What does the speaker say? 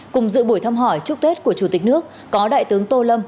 cùng dự buổi thăm hỏi chúc tết của chủ tịch nước có đại tướng tô lâm